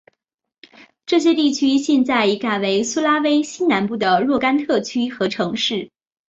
这些地区现在已改为苏拉威西南部的若干特区和城市。